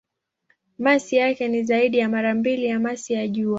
Masi yake ni zaidi ya mara mbili ya masi ya Jua.